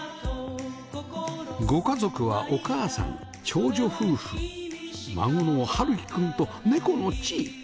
ご家族はお母さん長女夫婦孫の治己くんと猫のチイ